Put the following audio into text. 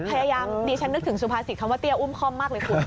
ดิฉันนึกถึงสุภาษิตคำว่าเตี้ยอุ้มคล่อมมากเลยคุณ